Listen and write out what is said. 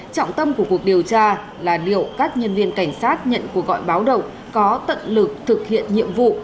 trọng tâm của cuộc điều tra là liệu các nhân viên cảnh sát nhận cuộc gọi báo động có tận lực thực hiện nhiệm vụ